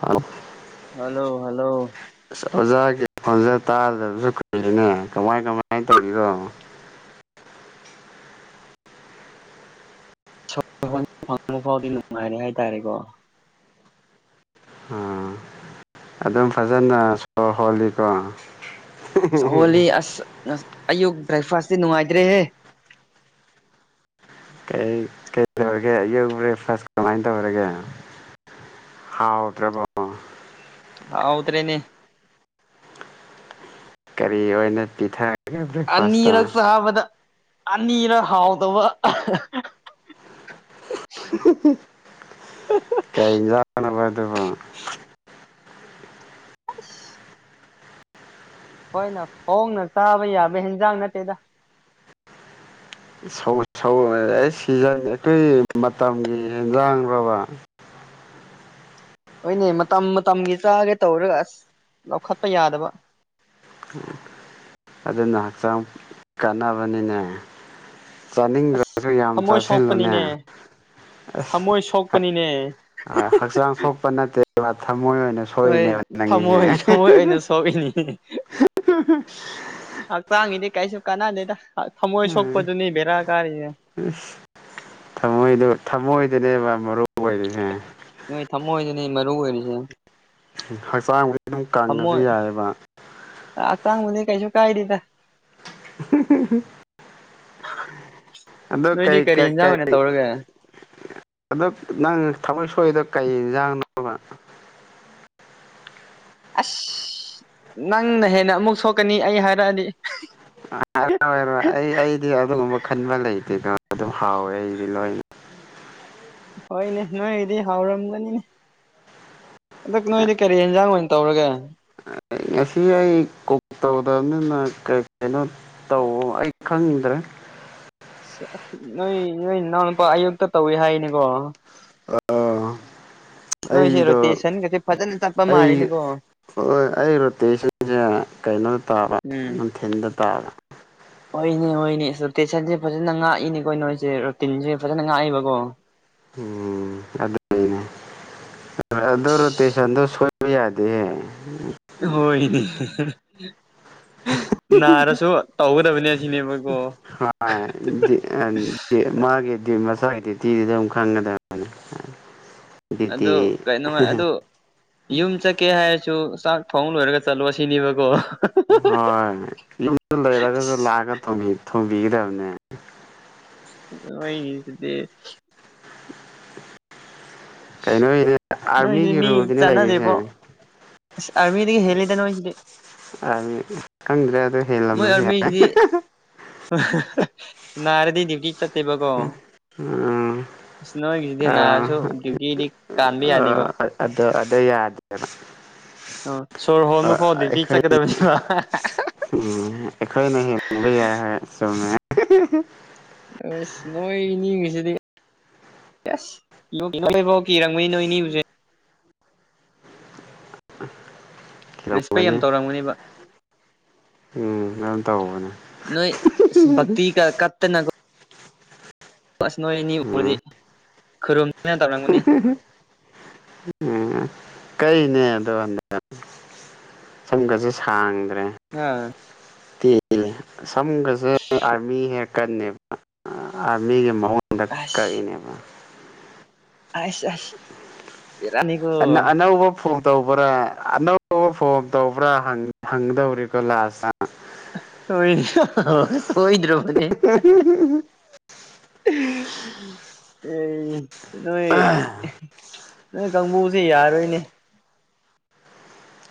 hello hello hello ꯑ ꯑꯣꯖꯥꯒꯤ ꯐꯣꯟꯁꯦ ꯇꯥꯗꯕꯁꯨ ꯀꯔꯤꯅꯦ ꯀꯃꯥꯏ ꯀꯃꯥꯏꯅ ꯇꯧꯕꯤꯅꯣ ꯐꯪꯕ ꯐꯥꯎꯗꯤ ꯅꯨꯡꯉꯥꯏꯔꯦ ꯍꯥꯏꯇꯥꯔꯦꯀꯣ ꯑ ꯑꯗꯨꯝ ꯐꯖꯅ ꯁ ꯍꯣꯜꯂꯤꯀꯣ ꯍꯣꯂꯤ ꯑꯁ ꯅ ꯑꯌꯨꯛ ꯕ꯭ꯔꯦꯛꯐꯥꯁꯁꯤ ꯅꯨꯡꯉꯥꯏꯖ꯭ꯔꯦꯍꯦ ꯀꯩ ꯇꯧꯔꯒꯦ ꯑꯌꯨꯛ ꯕ꯭ꯔꯦꯛꯐꯥꯁ ꯀꯃꯥꯏꯅ ꯇꯧꯔꯒꯦ ꯍꯥꯎꯗ꯭ꯔꯦꯕ ꯎꯗ꯭ꯔꯦꯅꯦ ꯀꯔꯤ ꯑꯣꯏꯅ ꯄꯤꯊꯛ ꯑꯅꯤꯔꯛꯁ ꯍꯥꯕꯗ ꯑꯅꯤꯔ ꯍꯥꯎꯗꯕ ꯀꯩꯖꯅ ꯑꯗꯨꯕꯣ [inaudible] ꯍꯣꯏꯅ ꯍꯣꯡꯅ ꯆꯥꯕ ꯌꯥꯕ ꯍꯟꯖꯥꯡ ꯅꯠꯇꯦꯗ ꯁ ꯑꯩ ꯁꯤꯖꯪ ꯑꯩꯈꯣꯏ ꯃꯇꯝꯒꯤ ꯍꯟꯖꯥꯡꯕ [inaudible] ꯍꯣꯏꯅꯦ ꯃꯇꯝ ꯃꯇꯝꯒꯤ ꯆꯥꯒꯦ ꯇꯧꯔꯒ ꯑꯁ ꯂꯧꯈꯠꯄ ꯌꯥꯗꯕ ꯑꯗꯨꯅ ꯍꯛꯆꯥꯡ ꯀꯥꯟꯅꯕꯅꯤꯅꯦ ꯑꯁ ꯆꯥꯅꯤꯡꯗ꯭ꯔꯁꯨ ꯌꯥꯝ ꯊꯃꯣꯏ ꯆꯥꯁꯤꯜꯂꯨꯅꯦ ꯁꯣꯛꯄꯅꯤꯅꯦ ꯊꯃꯣꯏ ꯁꯣꯛꯄꯅꯤꯅꯦ ꯑꯁ ꯍꯛꯆꯥꯡ ꯁꯣꯛꯄ ꯅꯠꯇꯦ ꯃꯣꯏ ꯑꯣꯏꯅ ꯍꯣꯏ ꯁꯣꯏꯏꯅꯦꯕ ꯅꯪꯒꯤꯁꯦ ꯊꯃꯣꯏ ꯊꯃꯣꯏ ꯑꯣꯏꯅ ꯁꯣꯛꯏꯅꯤ ꯍꯥꯎ ꯆꯥꯡꯉ ꯏꯗꯤꯦ ꯀꯩꯁꯨ ꯀꯅꯥꯗꯦ ꯎꯝ ꯊꯝꯃꯣꯏꯗ ꯊꯝꯃꯣꯏ ꯅꯦꯕ ꯃꯔꯨ ꯑꯣꯏꯁꯦ ꯅꯣꯏ ꯊꯝꯃꯣꯑꯣꯣꯏ ꯅ ꯃꯔ ꯑꯣꯏꯁ ꯍꯛꯆꯥꯡꯕꯨꯗꯤ ꯑꯗꯨꯝ ꯀꯪꯉꯁꯨ ꯌꯥꯏꯑꯕ ꯆꯥꯡꯅꯤ ꯀꯩꯁꯨ ꯀꯥꯏꯔꯤꯗ [inaudible] ꯑꯗꯣ ꯅꯣꯏꯗꯤ ꯀꯩ ꯀꯔꯤ ꯀ ꯌꯦꯟꯖꯥꯡ ꯑꯣꯏꯅ ꯀꯩ ꯇꯧꯔꯒꯦ ꯑꯗ ꯅꯪ ꯊꯃꯣꯏ ꯁꯣꯏꯗ ꯀꯩ ꯌꯦꯟꯖꯥꯡꯅꯣꯕ ꯑꯁ ꯅꯪꯅ ꯍꯦꯟꯅ ꯑꯃꯨꯛ ꯁꯣꯛꯀꯅꯤ ꯑꯩ ꯍꯥꯏꯔꯛꯑꯗꯤ ꯔꯔ ꯑꯩ ꯑꯩꯗꯤ ꯑꯗꯨꯒꯨꯝꯕ ꯈꯟꯕ ꯂꯩꯇꯦꯗ ꯑꯗꯨꯝ ꯍꯥꯎꯋꯦ ꯑꯩꯁꯦ ꯂꯣꯏ ꯍꯣꯏꯅꯦ ꯅꯣꯏꯒꯤꯗꯤ ꯍꯥꯎꯔꯝꯒꯅꯤꯅꯦ ꯍꯟꯗꯛ ꯅꯣꯏꯗꯤ ꯀꯔꯤ ꯌꯦꯟꯖꯥꯡ ꯑꯣꯏꯅ ꯇꯧꯔꯒꯦ ꯉꯁꯤ ꯑꯩ ꯀ ꯇꯧꯗꯕꯅꯤꯅ ꯀꯔꯤ ꯀꯩꯅꯣ ꯇꯧ ꯑꯩ ꯈꯪꯗ꯭ꯔꯦ ꯑꯁ ꯅꯣꯏ ꯅꯣꯏ ꯏꯅꯥꯎꯅꯨꯄꯥ ꯑꯌꯨꯛꯇ ꯇꯧꯏꯤ ꯍꯥꯏꯅꯤꯀꯣ ꯁ ꯅꯣꯏꯁꯤꯔꯣ ꯑꯩꯗꯣ ꯇꯦꯁꯟꯒꯁ ꯐꯖꯅ ꯆꯞꯄ ꯑꯩ ꯃꯥꯜꯂꯤꯅꯤꯀꯣ ꯍꯣꯏ ꯑꯩ ꯔꯣꯇꯦꯁꯟꯁꯦ ꯀꯩꯅꯣꯗ ꯇꯥꯕ ꯎꯝ ꯅꯨꯡꯊꯤꯤꯟꯗ ꯇꯥꯕ ꯍꯣꯏꯅꯦ ꯍꯣꯏꯅꯦ ꯑ ꯇꯦꯁꯟꯁꯦ ꯐꯖꯅ ꯉꯥꯛꯏꯅꯤꯀꯣ ꯅꯣꯏꯁꯦ ꯔꯨꯇꯤꯟꯁꯦ ꯐꯖꯅ ꯉꯥꯛꯏꯕꯀꯣ ꯎꯝ ꯑꯗꯨꯅꯦ ꯑꯗꯔꯣꯇ ꯁꯟꯗꯣꯁ ꯑꯣꯏꯕ ꯌꯥꯗꯦꯦ ꯍꯣꯏꯅꯤ ꯅꯥꯔꯁꯨ ꯇꯧꯒꯗꯕꯅꯦ ꯑꯁꯤꯅꯦꯕꯀꯣ ꯃꯁꯇꯤꯗꯨꯗ ꯑꯗꯨ ꯈꯪꯒꯗꯕꯅꯤ ꯗ꯭ꯌꯨꯇꯤ ꯑ ꯀꯩꯅꯣꯃꯥꯏ ꯑꯣ ꯌꯨꯝ ꯆꯠꯀꯦ ꯍꯥꯏꯔꯁꯨ ꯆꯥꯛ ꯊꯣꯡ ꯂꯣꯏꯔꯒ ꯆꯠꯂꯣ ꯁꯤꯅꯦꯕꯀꯣ ꯍꯣꯏ ꯌꯨꯝ ꯂꯩꯔꯒꯁꯨ ꯂꯥꯛꯑꯒ ꯊ ꯊ ꯤꯗ ꯑꯃꯅꯤꯅꯦ ꯑꯩ ꯁꯤꯗꯤ ꯀꯩꯅꯣꯅꯦ ꯑꯥꯔꯃꯤꯒꯤ ꯔꯨꯜꯗꯤꯅꯦ ꯂꯩꯔꯤꯁꯦ ꯑꯔꯃꯤꯗꯒꯤꯗꯒꯤ ꯍꯦꯜꯂꯗꯅꯣꯁꯤꯗꯤ ꯗꯤ ꯈꯪꯗ꯭ꯔꯦ ꯑꯗꯨꯗꯣ ꯍꯦꯜꯂꯝꯂ ꯌꯥꯔ ꯅꯔꯗꯤ ꯗ꯭ꯌꯨꯇꯤ ꯆꯠꯇꯦꯕꯀꯣ ꯎꯝ ꯑ ꯅꯣꯏꯒꯤꯁꯤꯗꯤ ꯑꯥ ꯅꯥꯔꯁꯨ ꯗ꯭ꯌꯨꯇꯤꯗꯤ ꯀꯥꯟꯕ ꯌꯥꯗꯦꯕ ꯑꯗꯣ ꯑꯗ ꯌꯥꯗꯦꯅ ꯑꯣ ꯁꯣꯔ ꯍꯣꯟꯕ ꯐꯥꯎ ꯇꯤ ꯆꯠꯀꯗꯕꯅꯦꯕ ꯎꯝ ꯑꯩꯈꯣꯏꯅ ꯂꯕ ꯌꯥ ꯍꯥꯏꯦ ꯁꯨꯝꯃꯦ ꯁ ꯅꯣꯏ ꯏ ꯅꯤꯡꯉꯁꯤꯗꯤ ꯔꯪꯃꯤ ꯅꯣ ꯏꯅꯤꯁꯦ [inaudible] ꯔꯦꯁꯄꯦꯛ ꯊꯤꯔꯝꯒꯅꯤ ꯌꯥꯝ ꯇꯧꯔꯝꯒꯅꯦꯕ ꯎꯝ ꯑꯗꯨꯝ ꯇꯧꯕꯅꯦ ꯅꯣꯏ ꯑꯁ ꯚꯛꯇꯤꯒ ꯋꯥꯁꯅꯅꯤ ꯎꯔꯤ ꯎꯝ ꯈꯨꯔꯨꯝ ꯎꯝ ꯀꯩꯅꯦ ꯑꯗꯣ ꯍꯟꯗ ꯁꯝꯒꯁ ꯁꯥꯡ ꯑꯝ ꯁꯝꯒꯁꯦ ꯑꯥꯔꯃꯤ ꯍꯦꯛ ꯀꯟꯅꯦꯕ ꯑꯥꯔꯃꯤꯒꯤ ꯃꯍ ꯗꯀꯥ ꯑꯁ ꯏꯅꯦꯕ ꯑꯁ ꯑꯁ ꯑ ꯕꯦꯔꯥꯅꯤꯀꯣ ꯑꯅꯕ ꯐꯣꯟ ꯇꯧꯕ꯭ꯔꯥ ꯑꯅꯧꯕ ꯐꯣꯟ ꯇꯧꯕ꯭ꯔꯥ ꯍꯪꯗꯧꯔꯤꯀꯣ ꯂꯥꯁꯇ ꯍꯣꯏ ꯍꯣꯏꯗ꯭ꯔꯣ ꯃꯅꯦ ꯑꯦ ꯅꯣꯏ ꯅꯣꯏ ꯀꯥꯡꯕꯨꯁꯦ ꯌꯥꯔꯣꯏꯅꯦ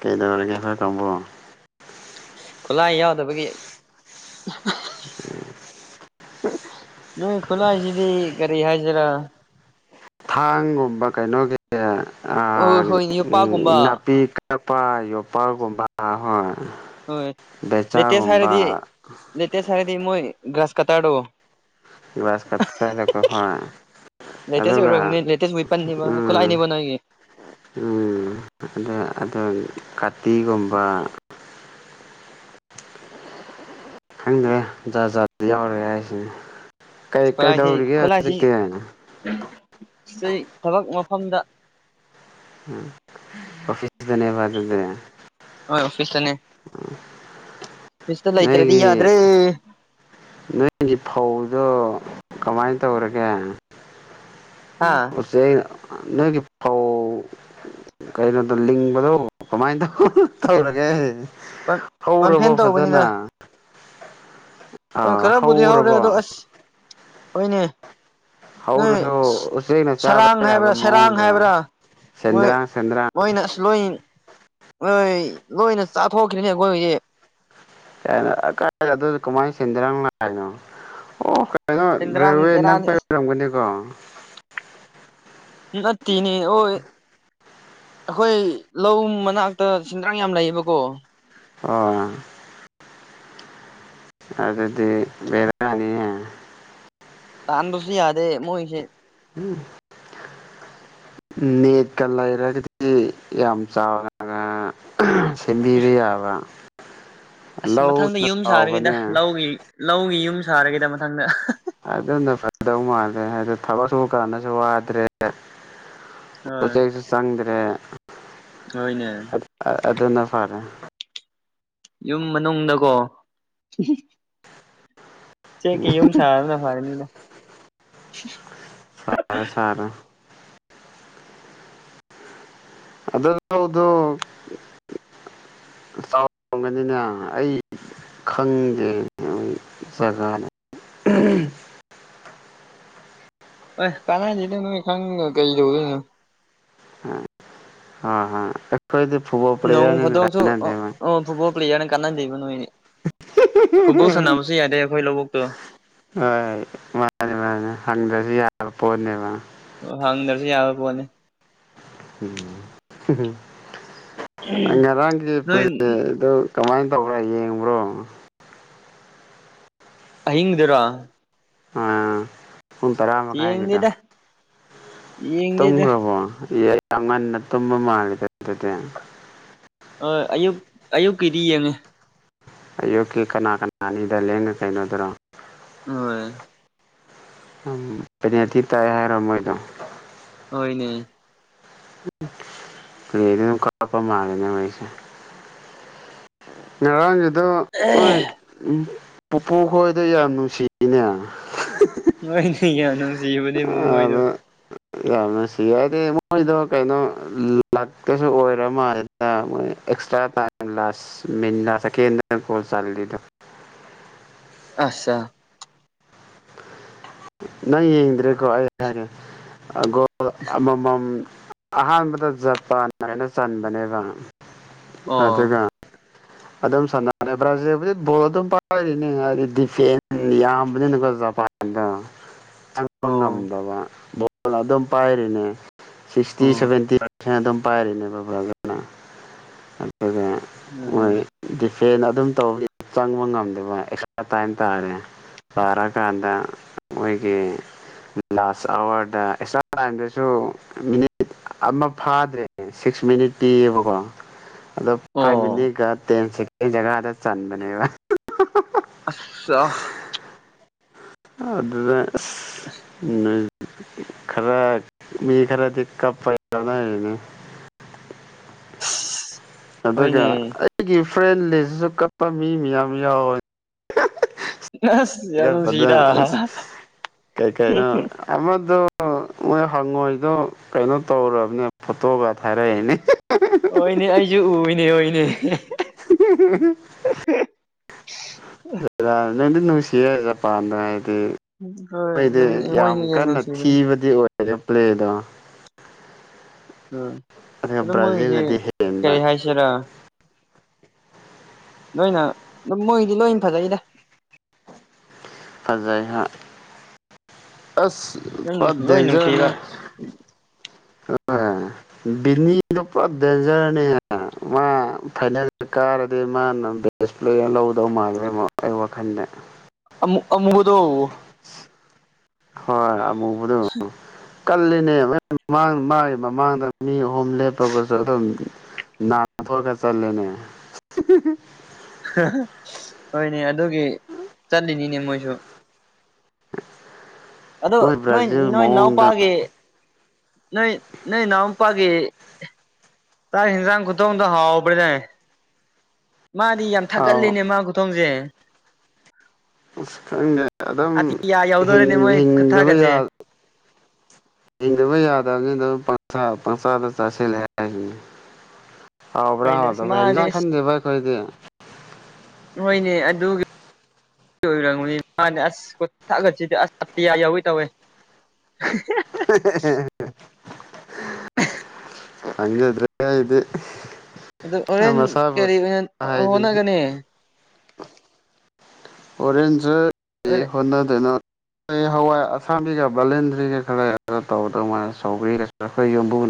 ꯀꯩꯗꯧꯔꯒꯦ ꯈꯔ ꯀꯪꯕꯨꯣ ꯈꯨꯂꯥꯏ ꯌꯥꯎꯗꯕꯒꯤ [inaudible] ꯅꯣꯏ ꯈꯨꯂꯥꯏꯁꯤꯗꯤ ꯀꯔꯤ ꯍꯥꯏꯁꯤꯔꯥ ꯊꯥꯡꯒꯨꯝꯕ ꯀꯩꯅꯣꯒꯤ ꯑꯣ ꯍꯣꯏ ꯌꯣꯄꯥꯛꯒꯨꯝꯕ ꯅꯥꯄꯤ ꯀꯛ ꯆꯄꯥ ꯌꯣꯄꯒꯨꯝꯕ ꯍꯣꯏ ꯍꯣꯏ ꯂꯦꯇꯦꯁ ꯕꯦꯆꯥꯒꯨꯝꯕ ꯍꯥꯏꯔꯗꯤ ꯂꯦꯇꯦꯁ ꯍꯥꯏꯔꯗꯤ ꯃꯣꯏ ꯒ꯭ꯔꯥꯁ ꯀꯇꯥꯔꯗꯣ ꯌꯕꯁ ꯀꯇꯥꯗꯀ ꯍ ꯂꯦꯇꯦ ꯑꯣꯏꯦꯦꯋꯅꯤ ꯎꯝ ꯈꯨꯣꯂꯥꯏꯅꯤꯕ ꯅꯣꯏꯒꯤ ꯎꯝ ꯑ ꯑ ꯀꯥꯇꯤꯒꯨꯝꯕ ꯈꯪꯗ꯭ꯔꯦ ꯖꯥ ꯖꯥ ꯌꯥꯎꯔꯦ ꯍꯥꯏꯁꯤꯅꯦ ꯀꯩ ꯈꯂꯁꯤ ꯀꯩꯗꯧꯔꯤꯒꯦ ꯈꯣꯂꯁꯤ ꯍꯧꯖꯤꯛꯇꯤ ꯊꯕꯛ ꯃꯐꯝꯗ ꯀꯐꯤꯁꯤꯁꯅꯦꯕ ꯑꯗꯨꯗꯦ ꯄꯤꯁꯇꯅꯦ ꯄꯤꯁꯇ ꯂꯩꯇ꯭ꯔꯗꯤ ꯌꯥꯗ꯭ꯔꯦ ꯅꯣꯏꯁꯤ ꯐꯧꯗꯣ ꯀꯃꯥꯏꯅ ꯇꯧꯔꯒꯦ ꯍꯥ ꯎꯆ ꯅꯣꯏꯒꯤ ꯄꯥꯎ ꯀꯩꯅꯣꯗꯣ ꯂꯤꯡꯕꯗꯣ ꯀꯃꯥꯏꯅ ꯇ ꯇꯧꯔꯒꯦ ꯍꯧꯔꯕꯣ ꯄꯝꯐꯦꯟ ꯐꯖꯅ ꯑ ꯑꯥ ꯈꯔꯕꯨꯗꯤ ꯍꯧꯔꯦ ꯑꯗꯣ ꯍꯧꯔꯕꯣ ꯑꯁ ꯍꯣꯏꯅꯦ ꯎ ꯍꯧꯔꯁꯨ ꯎꯆꯦꯛꯅ ꯁꯔꯥꯡ ꯍꯥꯏꯕ꯭ꯔꯥ ꯁꯔꯥꯡ ꯍꯥꯏꯕ꯭ꯔꯥ ꯆꯦꯗ꯭ꯔ ꯆꯦꯗ꯭ꯔ ꯂꯣꯏꯣꯏ ꯂꯣꯏꯅ ꯆꯥꯊꯣꯛꯈꯅꯤ ꯑꯩꯈꯣꯏꯒꯤꯁ ꯀꯅꯥꯏ ꯑꯗꯨ ꯀꯃꯥꯏꯅ ꯁꯤꯟꯗꯔ ꯍꯥꯏꯅꯣ ꯑꯣ ꯀꯩꯅꯣ ꯁꯦꯟꯗ꯭ꯔꯥꯡ ꯗꯦꯜꯋꯦ ꯅꯛ ꯕꯦꯔꯥꯅꯤ ꯑꯁ ꯄꯥꯏꯕꯤꯔꯝꯒꯅꯤꯀꯣ ꯅꯅꯤ ꯑꯣꯏ ꯑꯩꯈꯣꯏ ꯂꯧ ꯃꯅꯥꯛꯇ ꯁꯦꯟꯗ꯭ꯔꯥꯡ ꯌꯥꯝ ꯂꯩꯌꯦꯕꯀꯣ ꯑꯣ ꯑꯗꯨꯗꯤ ꯦꯔꯅꯤꯦ ꯇꯥꯟꯗꯁꯨ ꯌꯥꯗꯦ ꯃꯣꯏꯁꯦ ꯎꯝ ꯅꯦꯠꯀ ꯂꯩꯔꯒꯗꯤ ꯌꯥꯝ ꯆꯥꯎꯔ ꯁꯦꯝꯕꯤꯗ ꯌꯥꯕ ꯑꯁ ꯃꯊꯪꯗ ꯂꯧꯅ ꯌꯨꯝ ꯁꯥꯔꯒꯦꯗ ꯆꯥꯎꯕꯅꯦ ꯂꯧꯒꯤ ꯂꯧꯒꯤ ꯌꯨꯝ ꯁꯥꯔꯒꯦꯗ ꯃꯊꯪꯗ ꯑꯗꯨꯝꯅ ꯐꯗꯧ ꯃꯥꯜꯂꯦ ꯍꯥꯏꯗꯣ ꯊꯕꯛ ꯁꯨꯕ ꯀꯥꯟꯗꯁꯨ ꯋꯥꯗ꯭ꯔꯦ ꯍꯣꯏ ꯎꯆꯦꯛꯁꯨ ꯆꯪꯗ꯭ꯔꯦ ꯍꯣꯏꯅꯦ ꯑꯗꯨꯅ ꯐꯔꯦ ꯌꯨꯝ ꯃꯅꯨꯡꯗꯀꯣ ꯆꯦꯛ ꯀ ꯌꯨꯝ ꯁꯥꯔꯅ ꯐꯥꯏꯅꯤꯅ ꯁꯔꯦ ꯁꯔꯦ ꯑꯗꯥꯎꯗ ꯆꯥꯎꯔꯣꯡꯒꯅꯤꯅꯦ ꯑꯩ ꯈꯪꯗꯦ ꯒꯥꯅ ꯑ ꯀꯂ ꯆꯗ ꯅ ꯈ ꯀꯩꯗ ꯑꯈꯣꯏꯗꯤ ꯅꯣꯡ ꯐꯗꯣꯛꯁꯨ ꯐꯨꯠꯕꯣꯜ ꯄ꯭ꯂꯦꯌꯔꯅ ꯀꯥꯟꯅꯗꯦꯕ ꯅꯣꯏꯅꯦ ꯐꯨꯕꯨꯣ ꯁꯅꯕꯨꯁꯤ ꯌꯥꯗꯈꯣꯏ ꯂꯧꯕ ꯍꯣꯏ ꯃꯥꯅꯤ ꯃꯥꯅꯤ ꯍꯪꯗ꯭ꯔꯁꯨ ꯌꯥꯕ ꯄꯣꯠꯅꯦꯕ ꯑꯣ ꯍꯪꯗ꯭ꯔꯁꯨ ꯌꯥꯕ ꯄꯣꯠꯅꯦ ꯅꯣꯏ ꯉꯔꯥꯡꯒꯤꯩꯗꯣ ꯀꯃꯥꯏꯅ ꯇꯧꯕ꯭ꯔꯣ ꯌꯦꯡꯕ꯭ꯔꯣ ꯑꯍꯤꯡꯗꯨꯔꯥ ꯑ ꯎꯟ ꯇꯔꯥ ꯃꯈꯈꯥꯏꯒꯗꯣ ꯌꯦꯡꯗꯦꯗ ꯌꯦꯡꯗꯦꯗ ꯇꯨꯝꯈ꯭ꯔꯕꯣ ꯌꯥꯝ ꯉꯟꯅ ꯇꯨꯝꯕ ꯃꯥꯜꯂꯦꯗ ꯑꯗꯨꯗꯤ ꯑ ꯑꯌꯨꯛ ꯑꯌꯨꯛꯀꯤꯗꯤ ꯌꯦꯡꯉꯦ ꯑꯌꯨꯀꯤꯜ ꯀꯅꯥ ꯀꯅꯥꯅꯤꯗ ꯂꯦꯡꯉ ꯀꯩꯅꯣꯗꯔꯣ ꯍꯣꯏ ꯄꯩꯅꯊꯤ ꯇꯥꯏ ꯍꯥꯏꯔꯣ ꯃꯣꯏꯗ ꯍꯅꯦ ꯄ꯭ꯂꯦꯗꯤꯅ ꯀꯄꯥ ꯃꯥꯔꯤꯅ ꯃꯩꯁꯦ ꯉꯔꯥꯡꯁꯤꯗ ꯍꯣꯏ ꯄꯨꯄꯨ ꯈꯣꯏꯗ ꯌꯥꯝ ꯅꯨꯡꯁꯤꯅꯦ ꯃꯣꯏꯅꯦ ꯌꯥ ꯅꯨꯡꯁꯤꯕꯅꯦ ꯃꯕꯣꯏꯗꯣ ꯁꯤ ꯍꯥꯏꯗꯤ ꯃꯣꯏꯗꯣ ꯀꯩꯅꯣ ꯂꯥꯛꯇꯁꯨ ꯑꯣꯏꯔꯝ ꯃꯥꯗ ꯃꯣꯏ ꯑꯦꯛꯁꯇ꯭ꯔꯥ ꯇꯥꯏ ꯁ ꯃꯤꯅꯥ ꯁꯦꯀꯦꯟ ꯀꯣꯜ ꯆꯜ ꯑꯆꯥ ꯅꯪ ꯌꯦꯡꯗ꯭ꯔꯦꯀꯣ ꯑꯩ ꯍꯥꯏꯔꯦꯒꯣ ꯑꯃꯃꯝ ꯑꯍꯥꯟꯕꯗ ꯖꯄꯥꯟ ꯍꯥꯏꯅ ꯆꯟꯕꯅꯦꯕ ꯑꯗꯨꯒ ꯑꯣ [inaudible] ꯑꯗꯨꯝ ꯁꯥꯟꯅꯔꯦ ꯕ꯭ꯔꯥꯖꯤꯜꯕꯨꯗꯤ ꯕꯣꯜ ꯑꯗꯨꯝ ꯄꯥꯏꯔꯤꯅꯤ ꯍꯥꯏꯗꯤ ꯗꯤꯐꯦꯟ ꯌꯥꯝꯕꯅꯤꯅꯀꯣ ꯖꯄꯥꯟ ꯑꯗ ꯆꯪꯕ ꯑꯣ ꯉꯝꯗꯕ ꯣꯜ ꯑꯗꯨꯝ ꯄꯥꯏꯔꯤꯅꯦ ꯁꯤꯛꯁꯇꯤ ꯑꯣ ꯁꯚꯦꯟꯇꯤ ꯑꯗꯨꯝ ꯄꯥꯏꯔꯤꯅꯦꯕ꯭ꯔꯥꯒꯅ ꯑꯗꯨꯒ ꯎꯝ ꯃꯣꯏ ꯐꯦꯟ ꯑꯗꯨꯝ ꯇꯧꯕ ꯆꯪꯕ ꯉꯝꯗꯦꯕ ꯑꯦꯛꯁꯇ꯭ꯔꯥ ꯇꯥꯏꯝ ꯇꯥꯔꯦ ꯔꯒꯥꯟꯗ ꯃꯣꯏꯒꯤ ꯂꯥꯁ ꯑꯋꯥꯔꯗ ꯑꯦꯛꯁꯇ꯭ꯔꯥ ꯇꯥꯏꯝꯗꯁꯨ ꯃꯤꯅꯤꯠ ꯑꯃ ꯐꯥꯗ꯭ꯔꯦ ꯁꯤꯛꯁ ꯃꯤꯅꯤꯠ ꯄꯤꯌꯦꯕꯀꯣ ꯑꯗꯣ ꯐꯥꯏꯚ ꯑꯣ ꯃꯤꯅꯤꯠꯒ ꯇꯦꯟꯁꯦ ꯀꯩ ꯖꯒꯥꯗ ꯆꯟꯕꯅꯦꯕ ꯑꯆꯥ ꯑꯗꯨꯗ ꯎ ꯈꯔ ꯃꯤ ꯈꯔ ꯏꯀ ꯄꯥꯏꯂꯅꯅ ꯑꯗꯨꯒ ꯍꯣꯏꯅꯦ ꯑꯩꯒꯤ ꯐ꯭ꯔꯦꯟ ꯂꯤꯁꯁꯨ ꯀꯛꯄ ꯃꯤ ꯃꯌꯥꯝ ꯌꯥꯎꯋꯦ ꯑꯁ ꯌꯥꯝ ꯄꯗ ꯅꯨꯡꯁꯤꯗ ꯀꯩ ꯀꯥꯏꯩꯅꯣꯗꯨ ꯃꯣꯏ ꯍꯪꯉꯣꯏꯗꯣ ꯀꯩꯅꯣ ꯇꯧꯔꯕꯅꯦ ꯐꯣꯇꯣꯒ ꯊꯥꯔꯛꯏꯅꯦ ꯍꯅꯦ ꯑꯩꯁꯨ ꯎꯏꯅꯦ ꯑꯣꯏꯅꯦ ꯂꯩꯗꯤ ꯅꯨꯡꯁꯤꯄꯅ ꯑ ꯍꯣꯏ ꯑꯩꯣꯏꯗꯤ ꯑꯗꯨꯝ ꯌꯥꯝ ꯃꯣꯏꯁꯦ ꯀꯟꯅ ꯅꯨꯡꯁꯤꯕꯅꯤ ꯊꯤꯕꯗꯤ ꯑꯣꯏꯔꯔꯦ ꯄ꯭ꯂꯦꯗꯣ ꯎꯝ ꯑꯗꯨꯒ ꯑꯣ ꯃꯣꯏꯁꯤꯦ ꯕ꯭ꯔꯥꯖꯤꯜꯅꯗꯤ ꯍꯦꯟꯕ ꯀꯔꯤ ꯍꯥꯏꯁꯤꯔꯥ ꯅꯣꯏꯅ ꯑꯗꯨꯝ ꯃꯣꯏꯒꯤꯗꯤ ꯂꯣꯏꯅ ꯐꯖꯩꯗ ꯌꯥꯥꯏꯍ ꯑꯁ ꯂꯣꯏ ꯗꯦꯟꯖꯔꯅꯦ ꯅꯨꯡꯁꯤꯕ ꯕꯤꯅꯤꯗꯄꯥ ꯗꯖꯔꯅꯦ ꯃꯥ ꯐꯥꯏꯅꯦꯜ ꯀꯥꯔꯗꯤ ꯃꯥꯅ ꯕꯦꯁꯄ꯭ꯂꯦꯅ ꯂꯧꯗꯧ ꯃꯥꯜꯂꯦ ꯑꯩ ꯋꯥꯈꯜꯗ ꯑꯃꯨ ꯑꯃꯨꯕꯗꯣ ꯍꯣꯏꯕꯨ ꯀꯜꯂꯤꯅꯦ ꯃꯥꯡ ꯃꯥꯒꯤ ꯃꯃꯥꯡꯗ ꯃꯤ ꯑꯍꯨꯝ ꯂꯦꯞꯄꯒꯁꯨ ꯑꯗꯨꯝ ꯅꯅꯥ ꯊꯒ ꯆꯠꯂꯅꯦ ꯍꯣꯏꯅꯦ ꯑꯗꯨꯒꯤ ꯆꯠꯂꯤꯅꯤꯅꯦ ꯃꯣꯏꯁꯨ [inaudible] ꯑꯗꯣ ꯃꯣꯏ ꯅꯣꯏ ꯕ꯭ꯔꯥꯖꯤꯜ ꯅꯣꯏ ꯃꯑꯣꯡꯗ ꯅꯥꯎꯄꯥꯒꯤ ꯅ ꯅ ꯅꯝꯄꯥꯒꯦ ꯁꯥꯥꯏꯦ ꯏꯟꯁꯥꯡ ꯈꯨꯨꯊꯣ ꯍꯨꯗ ꯍꯥꯥꯎꯎ ꯄꯔꯦ ꯇ ꯃꯥꯗꯤ ꯌꯥꯝ ꯑꯥꯎ ꯊꯥꯒꯠꯂꯅꯦ ꯃꯥ ꯈꯨꯊꯣꯡꯁꯦ ꯑ ꯈꯪꯦ ꯑꯗꯨꯝ ꯑꯇꯤꯌꯥ ꯌꯧꯗꯣꯔꯦꯅꯦ ꯃꯣꯏ ꯍꯤꯡꯗꯕ ꯌꯥ ꯈꯨꯊꯥꯒꯠꯁꯦ ꯍꯗ ꯌꯥꯗꯅ ꯑꯥ ꯄꯁꯥꯗ ꯆ ꯑꯦꯂ ꯍꯥꯎꯕ꯭ꯔꯥ ꯍꯣꯏꯅꯦ ꯍꯗ ꯑꯁ ꯃꯥꯗꯤ ꯍꯦꯟꯖꯥꯡ ꯑꯁ ꯈꯟꯗꯦꯕ ꯑꯩꯈꯣꯏꯗꯤ ꯍ ꯑꯣꯏꯔꯝꯅꯤ ꯃꯥꯅꯦ ꯑꯁ ꯀ ꯊꯛꯑꯁꯤꯗꯤ ꯑꯁ ꯑꯇꯤꯌꯥ ꯌꯥꯎꯋꯤ ꯇꯧꯋꯦ [inaudible] ꯑꯗ꯭ꯔ ꯏꯗꯤ ꯑꯗꯨ ꯑꯣꯔꯦꯟ ꯀꯔꯤ ꯑꯣꯏꯅ ꯍꯥꯏꯗꯨꯅꯤ ꯍꯣꯠꯅꯒꯅꯤ ꯑꯣꯔꯦꯟꯖ ꯍꯣꯔꯦꯟ ꯍꯣꯠꯅꯗꯨꯅ ꯑꯩ ꯍꯋꯥꯏ ꯑꯁꯥꯕꯤꯒ ꯕꯂꯦꯟꯗ꯭ꯔꯤꯒ ꯈꯔ ꯇꯧꯕꯗ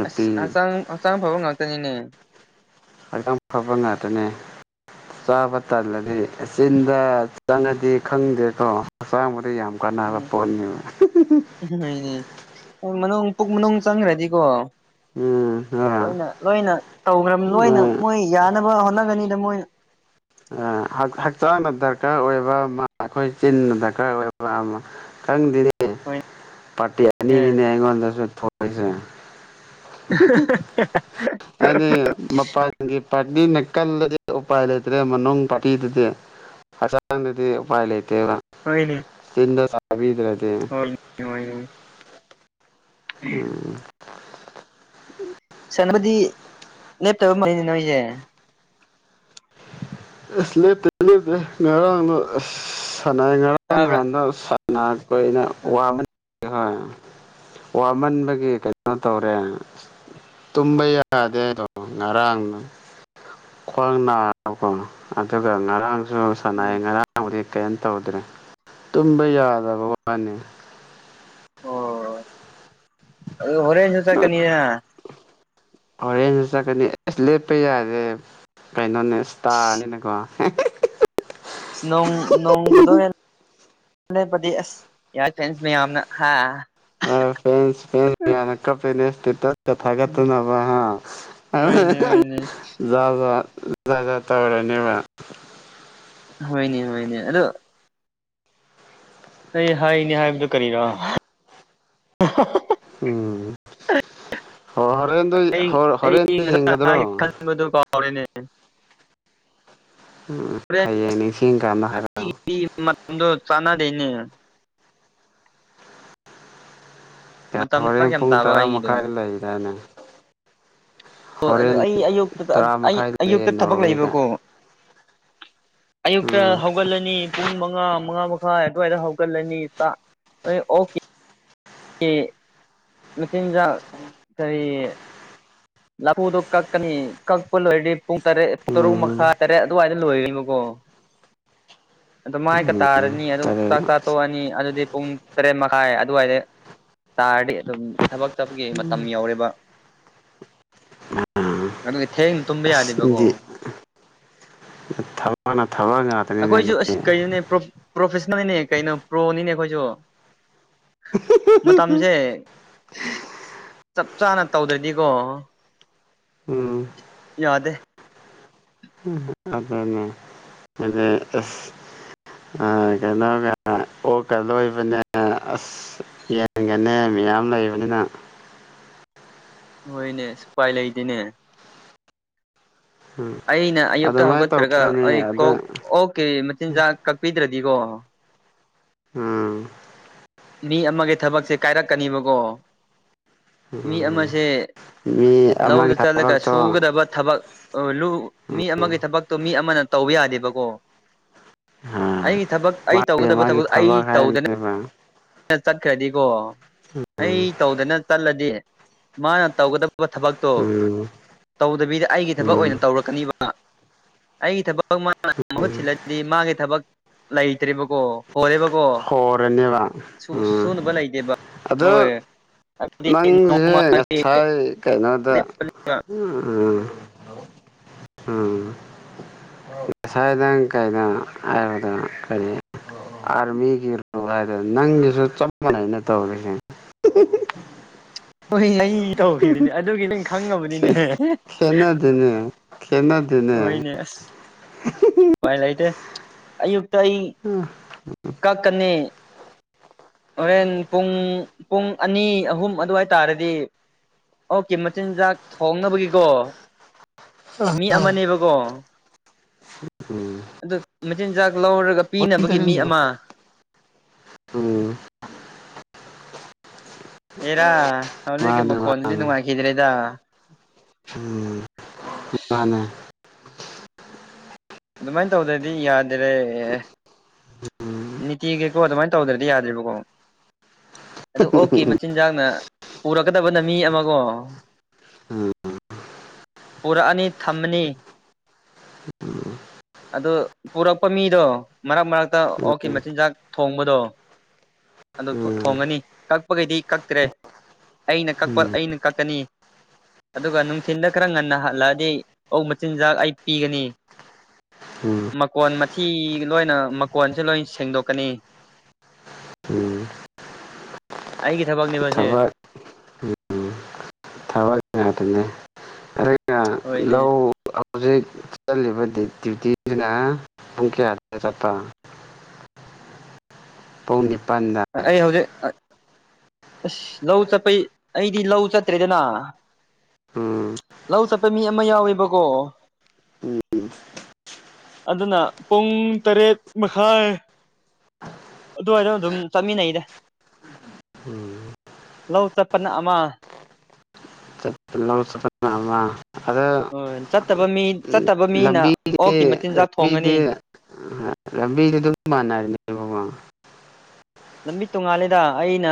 ꯑꯁ ꯑꯁꯥꯝ ꯑꯁꯥꯝ ꯐꯥꯎꯕ ꯉꯥꯛꯇꯅꯤꯅꯦ ꯍꯛꯆ ꯐꯕ ꯉꯥꯛꯇꯅꯦ ꯆꯥꯕ ꯇꯜꯂꯗꯤ ꯆꯤꯟꯗ ꯆꯪꯉꯗꯤ ꯈꯪꯗꯦꯀꯣꯛꯆꯥꯡ ꯌꯥꯝ ꯀ ꯅ ꯎꯝ ꯄꯣꯅꯤ ꯎ ꯃꯅꯨꯡ ꯄꯨꯛ ꯃꯅꯨꯡ ꯆꯪꯈ꯭ꯔꯗꯤꯀꯣ ꯎꯝ ꯑ ꯂꯣꯏꯅ ꯂꯣꯏꯅ ꯇꯧꯈ꯭ꯔꯕꯅꯤ ꯂꯣꯏꯅ ꯎꯝ ꯃꯣꯏ ꯌꯥꯅꯕ ꯍꯣꯠꯅꯒꯅꯤꯗ ꯃꯣꯏꯅ ꯍꯛꯆꯥꯡꯗ ꯗꯔꯀꯥꯔ ꯑꯣꯏꯕ ꯑꯃ ꯑꯩꯈꯣꯏ ꯆꯤꯟꯅ ꯗꯔꯀꯥꯔ ꯑꯣꯏꯕ ꯑꯃ ꯈꯪꯗꯅꯦ ꯍꯣꯏꯅꯦ ꯄꯥꯔꯇꯤ ꯑꯅꯤꯅꯤꯅꯦ ꯑꯩꯉꯣꯟꯗꯁꯨ ꯊꯣꯛꯣꯏꯁꯦ ꯑ ꯃꯄꯥꯒꯤ ꯄ ꯗꯤ ꯅꯥꯀꯜꯗꯗꯤ ꯎꯄꯥꯏ ꯂꯩꯇ꯭ꯔꯦ ꯃꯅꯨꯡ ꯄꯥꯇꯤꯗꯗꯤ ꯍꯛꯆꯥꯡꯗꯗꯤ ꯎꯄꯥꯏ ꯂꯩꯇ꯭ꯔꯦ ꯦꯕ ꯁꯤ ꯆꯕꯤꯗ꯭ꯔꯦ ꯍ ꯋꯥ ꯎꯝ ꯁꯅꯅꯕꯗꯤ ꯂꯦꯞꯇꯕ ꯃꯅꯤ ꯅꯣꯏꯁꯦ ꯑ ꯂꯦꯞꯇꯦꯦꯞꯇꯦ ꯉꯔꯥꯡꯗꯣ ꯑ ꯁꯥꯟꯅꯩ ꯉꯔꯥꯡ ꯇꯥꯕ꯭ꯔꯥ ꯅꯍꯥꯟꯅ ꯅꯅꯥꯈꯣꯏꯩꯅ ꯎꯝ ꯋꯥꯅꯤ ꯍꯣꯏ ꯋꯥꯃꯟꯕꯒꯤ ꯀꯩꯅꯣ ꯇꯧꯔꯦ ꯇꯨꯝꯕ ꯌꯥꯗꯦꯣ ꯉꯔꯥꯡꯅ ꯈ꯭ꯋꯥꯡꯅꯅꯥ ꯀꯣ ꯑꯗꯨꯒ ꯉꯔꯥꯡꯁꯨ ꯁꯥꯟꯅꯥꯏ ꯎꯝ ꯉꯔꯥꯡꯕꯨꯗꯤ ꯀꯩꯝ ꯇꯧꯗ꯭ꯔꯦ ꯇꯨꯝꯕ ꯌꯥꯗꯕ ꯋꯥꯅꯤ ꯑꯣ ꯍꯣꯔꯦꯟꯁꯨ ꯆ ꯀꯅꯤ ꯍꯣꯔꯦꯟ ꯆꯠꯀꯅꯤ ꯑꯦꯁ ꯂꯦꯞꯄ ꯌꯥꯗꯦ ꯀꯥꯏꯩꯅꯅꯦ ꯁꯇꯥꯔꯅꯤꯅꯀꯣ ꯅꯣꯡ ꯅꯣꯡ ꯀꯗ ꯄ ꯑ ꯌꯥꯗ ꯐꯅ ꯍꯥ ꯐ ꯐ ꯀ ꯅꯇ ꯀꯊꯥꯒꯇ ꯅꯕ ꯍꯣꯏꯅꯦ ꯍꯣꯏꯅꯦ ꯕ ꯂꯗ ꯇꯧꯔꯅꯦꯕ ꯍꯣꯏꯅꯦ ꯍꯅꯦ ꯑꯗꯣ ꯑꯩ ꯍꯥꯏꯅꯤ ꯍꯥꯏꯕꯗꯨꯣ ꯀꯔꯤꯔꯣ ꯎꯝ ꯍꯣ ꯍꯣꯔꯦꯟꯗꯣ ꯑꯩ ꯑꯩ ꯍꯣꯔꯦꯟꯗꯣ ꯉꯁꯥꯏ ꯌꯦꯡꯒꯗ꯭ꯔꯣ ꯍꯥꯏ ꯈꯟꯕꯗꯨꯣ ꯀꯥꯎꯔꯤꯅꯦ ꯎꯝ ꯍꯌꯦꯡꯅꯤꯁꯤꯡ ꯀꯥꯟꯗ ꯍꯥꯏꯣ ꯅꯗꯨ ꯆꯅꯥꯗ ꯏꯅꯤ ꯀꯌꯥ ꯃꯇꯝꯗꯣ ꯍꯣꯔꯦꯟ ꯐꯔꯛ ꯌꯥꯝ ꯄꯨꯡ ꯇꯥꯕ ꯇꯔꯥ ꯑꯩꯒꯤꯗꯣ ꯃꯈꯥꯏ ꯂꯩꯗꯅꯦ ꯍꯣꯏ ꯑꯗꯨ ꯑꯩ ꯑꯌꯨꯛꯇ ꯇꯔꯥ ꯑꯩ ꯃꯈꯥꯏꯗ ꯂꯩꯌꯦ ꯑꯌꯨꯛꯇ ꯊꯕꯛ ꯅꯣꯔꯋꯦꯒ ꯂꯩꯕꯀꯣ ꯑꯌꯨꯛꯇ ꯎꯝ ꯍꯧꯒꯠꯂꯅꯤ ꯄꯨꯡ ꯃꯉꯥ ꯃꯉꯥ ꯃꯈꯥꯏ ꯑꯗꯨꯋꯥꯏꯗ ꯍꯧꯒꯠꯂꯅꯤ ꯑꯣꯛꯀꯤ ꯀ ꯃꯆꯤꯟꯖꯥꯛ ꯀꯔꯤ ꯂꯐꯨꯗꯣ ꯀꯛꯀꯅꯤ ꯀꯛꯄ ꯂꯣꯏꯔꯗꯤ ꯄꯨꯡ ꯇꯔꯦꯠ ꯄꯨꯡ ꯇꯔꯨꯛ ꯎꯝ ꯃꯈꯥꯏ ꯇꯔꯦꯠ ꯑꯗꯨꯋꯥꯏꯗ ꯂꯣꯏꯔꯦꯕꯀꯣ [inaudible] ꯑꯗꯨ ꯃꯥꯏꯀ ꯎꯝ ꯇꯥꯔꯅꯤ ꯑꯗꯨ ꯇꯔꯦꯠ ꯆꯥꯛ ꯆꯥꯇꯣꯛꯑꯅꯤ ꯑꯗꯨꯗꯤ ꯄꯨꯡ ꯇꯔꯦꯠ ꯃꯈꯥꯏ ꯑꯗꯨꯋꯥꯏꯗ ꯇꯥꯔꯗꯤ ꯑꯗꯨꯝ ꯊꯕꯛ ꯆꯠꯄꯒꯤ ꯃꯇꯝ ꯌꯧꯔꯦꯕ ꯑꯗꯨꯒꯤ ꯊꯦꯡꯅ ꯇꯨꯝꯕ ꯑꯁ ꯌꯥꯗꯦꯕꯀꯣ ꯅꯪꯗꯤ ꯊꯕꯛꯅ ꯊꯕꯛ ꯉꯥꯛꯇꯅꯤꯅꯦ ꯑꯩꯈꯣꯏꯁꯨ ꯑꯗꯨꯗꯤ ꯑꯁ ꯀꯩꯅꯣꯅꯦ ꯄꯔꯐ ꯄ꯭ꯔꯣꯐꯦꯁꯅꯦꯜꯅꯤꯅꯦ ꯀꯩꯅꯣ ꯄ꯭ꯔꯣꯅꯤꯅꯦ ꯑꯩꯈꯣꯏꯁꯨ ꯃꯇꯝꯁꯦ ꯆꯞ ꯆꯥꯅ ꯇꯧꯗ꯭ꯔꯗꯤꯀꯣ ꯎꯝ ꯌꯥꯗꯦ ꯎ ꯑꯗꯨꯅꯤ ꯑꯗꯤ ꯑꯁ ꯑ ꯀꯩꯅꯣ ꯑꯣꯀ ꯂꯣꯏꯕꯅꯦ ꯑꯁ ꯌꯦꯟꯒꯅꯦ ꯃꯤꯌꯥꯝ ꯂꯩꯕꯅꯤꯅ [inaudible] ꯍꯣꯏꯅꯦ ꯁꯄꯥꯏ ꯂꯩꯗꯤꯅꯦ ꯎꯝ ꯑꯩꯅ ꯑꯌꯨꯛꯇ ꯑꯗꯨꯃꯥꯏꯅ ꯍꯧꯒꯠꯇ꯭ꯔꯒ ꯇꯧꯒꯗꯕꯅꯤ ꯑꯩ ꯑꯗ ꯀꯣꯛ ꯑꯣꯛꯀꯤ ꯃꯆꯤꯟꯖꯥꯛ ꯀꯛꯄꯤꯗ꯭ꯔꯗꯤ ꯏꯗꯤꯀꯣ ꯎꯝ ꯃꯤ ꯑꯃꯒꯤ ꯊꯕꯛꯁꯦ ꯀꯥꯏꯔꯛꯀꯅꯤꯕꯀꯣ ꯃꯤ ꯎꯝ ꯑꯃꯁꯦ ꯃꯤ ꯂꯧꯗ ꯑꯃꯒꯤ ꯆꯠꯂꯒ ꯊꯕꯛꯇꯣ ꯁꯨꯒꯗꯕ ꯊꯕꯛ ꯂꯨ ꯃꯤ ꯎꯝ ꯑꯃꯒꯤ ꯊꯕꯛꯇꯣ ꯃꯤ ꯑꯃꯅ ꯇꯧꯕ ꯌꯥꯗꯦꯕꯀꯣ ꯑ ꯑꯩꯒꯤ ꯊꯕꯛ ꯑꯩ ꯃꯥꯒꯤ ꯇꯧꯒꯗꯕ ꯃꯥꯒꯤ ꯊꯕꯛꯇ ꯑꯩ ꯊꯕꯛ ꯇꯧꯗꯅ ꯍꯥꯏꯕꯅꯦꯕ [inaudible] ꯆꯠꯈ꯭ꯔꯗꯤꯀꯣ ꯑꯩ ꯎꯝ ꯇꯧꯗꯅ ꯆꯠꯂꯗꯤ ꯃꯥꯅ ꯇꯧꯒꯗ ꯊꯕꯛꯇꯣ ꯎꯝ ꯇꯧꯗꯕꯤꯗ ꯑꯩꯒꯤ ꯊꯕꯛ ꯎꯝ ꯑꯣꯏꯅ ꯇꯧꯔꯛꯀꯅꯤꯕ ꯑꯩꯒꯤ ꯊꯕꯛ ꯃꯥꯅ ꯃꯍꯨꯠ ꯁꯤꯜꯂꯗꯤ ꯃꯥꯒꯤ ꯊꯕꯛ ꯂꯩꯇ꯭ꯔꯤꯕꯀꯣ ꯍꯣꯔꯦꯕ ꯍꯣꯔꯅꯦꯕ ꯎꯝ ꯁꯨꯅꯕ ꯂꯩꯇꯦꯕ ꯑꯗꯨ ꯍꯣꯏ ꯑꯗꯨꯗꯤ ꯅꯪꯁꯦ ꯅꯣꯡꯃꯒꯤ ꯉꯁꯥꯏ ꯀꯩꯅꯣꯗ ꯎꯝ ꯉꯁꯥꯏꯗ ꯀꯩꯏꯗ ꯍꯥꯏꯕꯗ ꯀꯔꯤ ꯑꯥꯔꯃꯤꯒꯤꯔ ꯍꯥꯏꯗ ꯅꯪꯒꯤꯁꯨ ꯆꯞ ꯃꯥꯟꯅꯅ ꯇꯧꯔꯤꯁꯦ ꯎꯝ ꯍꯣꯏ ꯑꯩ ꯇꯧꯈꯤꯕꯗꯨꯅꯦ ꯑꯗꯨꯒꯤ ꯅꯪ ꯈꯪꯉꯕꯅꯤꯅꯦ ꯈꯦꯠꯅꯗꯦꯅꯦ ꯈꯦꯠꯅꯗꯦꯅꯦ ꯍꯣꯏꯅꯦ ꯑꯁ ꯎꯄꯥꯏ ꯂꯩꯥꯏꯇꯦ ꯑꯌꯨꯛꯇ ꯑꯩ ꯎꯝ ꯀꯛꯀꯅꯤ ꯍꯣꯔꯦꯟ ꯄꯨꯡ ꯄꯨꯡ ꯑꯅꯤ ꯑꯍꯨꯝ ꯑꯗꯨꯋꯥꯏ ꯇꯥꯔꯗꯤ ꯑꯣꯛꯀꯤ ꯃꯆꯤꯟꯖꯥꯛ ꯊꯣꯡꯅꯕꯒꯤꯀꯣ ꯃꯤ ꯑꯃꯅꯦꯕꯀꯣ ꯑꯗꯨ ꯃꯆꯤꯟꯖꯥꯛ ꯂꯧꯔꯒ ꯎꯝ ꯄꯤꯅꯕꯒꯤ ꯃꯤ ꯑꯃ ꯑꯦꯔ ꯍꯧꯖꯤꯛꯀꯤ ꯃꯥꯅꯦ ꯃꯈꯣꯟꯜꯗꯗꯤ ꯃꯥꯅꯦ ꯅꯨꯡꯉꯥꯏꯈꯤꯗ꯭ꯔꯦꯗ ꯎꯝ ꯃꯥꯅꯦ ꯑꯗꯨꯃꯥꯏꯅ ꯇꯧꯗꯗꯤ ꯌꯥꯗꯔꯦ ꯎꯝ ꯅꯤꯇꯤꯒꯤꯀꯣ ꯑꯗꯨꯃꯥꯏꯅ ꯇꯧꯗ꯭ꯔꯗꯤ ꯌꯥꯗ꯭ꯦꯔꯤꯕꯀꯣ ꯑꯗꯨ ꯑꯣꯛꯀꯤ ꯃꯆꯤꯟꯖꯥꯛꯅ ꯄꯨꯔꯛꯀꯗꯕꯅ ꯃꯤ ꯑꯃꯀꯣ ꯎꯝ ꯄꯨꯔꯛꯑꯅꯤ ꯊꯝꯃꯅꯤ ꯑꯗꯨ ꯄꯨꯔꯛꯄ ꯃꯤꯗꯣ ꯃꯔꯛ ꯃꯔꯛꯇ ꯎꯝ ꯑꯣꯛꯀꯤ ꯃꯆꯤꯟꯖꯥꯛ ꯊꯣꯡꯕꯗꯣ ꯑꯗꯨ ꯎꯝ ꯊꯣꯡꯉꯅꯤ ꯀꯛꯄꯒꯩꯗꯤ ꯀꯛꯇ꯭ꯔꯦ ꯑꯩꯅ ꯀꯛꯄ ꯎꯝ ꯑꯩꯅ ꯀꯛꯀꯅꯤ ꯑꯗꯨꯒ ꯅꯨꯡꯊꯤꯤꯟꯗ ꯈꯔ ꯉꯟꯅ ꯍꯜꯂꯛꯑꯗꯤ ꯑꯣ ꯃꯆꯤꯟꯖꯥꯛ ꯑꯩ ꯄꯤꯒꯅꯤ ꯎꯝ ꯃꯀꯣꯟ ꯃꯊꯤ ꯂꯣꯏꯅ ꯃꯀꯣꯟ ꯁ ꯂꯣꯏ ꯁꯦꯡꯗꯣꯛꯀꯅꯤ ꯑꯩꯒꯤ ꯊꯕꯛꯅꯦꯕꯁꯦ ꯊꯕ ꯎꯝ ꯊꯥꯕ ꯉꯇꯅꯦꯦ ꯍꯣꯏꯅꯦ ꯍꯧꯖꯤꯛ ꯆꯠꯂꯤꯕ ꯗ꯭ꯌꯨꯇꯤꯁꯤꯅ ꯄꯨꯡ ꯀꯌꯥꯗ ꯆꯠꯄ [inaudible] ꯄꯥꯎꯅꯤ ꯑꯩ ꯍꯧꯖꯤꯛ ꯑꯁ ꯂꯧ ꯆꯠꯄꯩ ꯑꯩꯗꯤ ꯂꯧ ꯆꯠꯇ꯭ꯔꯦꯗꯅ ꯎꯝ ꯂꯧ ꯆꯠꯄ ꯃꯤ ꯑꯃ ꯌꯥꯎꯋꯦꯕꯀꯣ ꯎꯝ ꯑꯗꯨꯅ ꯄꯨꯡ ꯇꯔꯦꯠ ꯃꯈꯥꯏ ꯑꯗꯨꯏꯗ ꯑꯗꯨꯝ ꯆꯠꯃꯤꯟꯅꯩꯗ ꯎꯝ ꯂꯧ ꯆꯠꯄꯅ ꯑꯃ ꯆꯠꯄ ꯂꯧ ꯆꯠꯄꯅ ꯑꯃ ꯑꯗ ꯍꯣꯏ ꯆꯠꯇꯕ ꯃꯤ ꯆꯠꯇꯕ ꯃꯤꯅ ꯂꯝꯕꯤꯗꯤ ꯑꯣꯛꯀꯤ ꯃꯆꯤꯟꯖꯥꯛ ꯊꯣꯡꯒꯅꯤ ꯂꯝꯕꯤꯗꯤ ꯂꯝꯕꯤꯗꯨ ꯑꯗꯨꯝ ꯃꯥꯟꯅꯔꯤꯅꯦꯕꯕꯥ ꯂꯝꯕꯤ ꯇꯣꯡꯉꯥꯂꯦꯗ ꯑꯩꯅ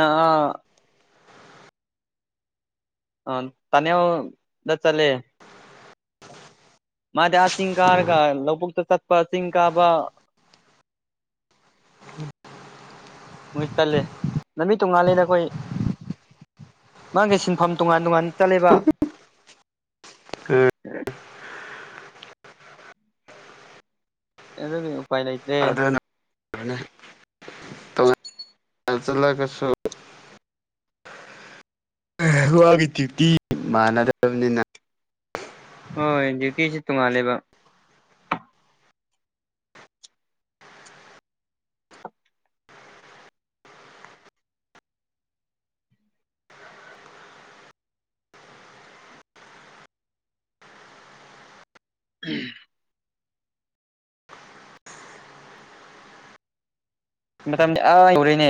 ꯑ ꯇꯅꯦ ꯆꯂꯦ ꯃꯥꯗꯤꯌꯥꯁꯤꯡꯤꯡ ꯀꯥꯔꯒ ꯂꯣꯛ ꯁꯠꯄꯜ ꯀꯕꯥ ꯆꯜꯂꯦ ꯅꯨꯃꯤꯠ ꯇꯣꯡꯉꯥꯜꯂꯤꯗ ꯑꯩꯈꯣꯏ ꯃꯥꯒꯤ ꯁꯤꯟꯐꯝ ꯇꯣꯉꯥꯟ ꯇꯣꯉꯥꯟ ꯆꯠꯂꯤꯦꯕ ꯑꯦ ꯑꯦꯗꯣ ꯎꯄꯥꯏ ꯂꯩꯥꯏꯇꯦ ꯑꯗꯨꯅ ꯆ ꯆꯂ ꯀꯁꯨ ꯍꯋꯥꯒꯤ ꯇ꯭ꯌꯨꯇꯤ ꯃꯥꯟꯅꯗ꯭ꯔꯕꯅꯤꯅ ꯍꯣꯏ ꯗ꯭ꯌꯨꯇꯁꯤ ꯇꯣꯡꯉꯥꯜꯂꯦꯕ ꯎꯝ [inaudible]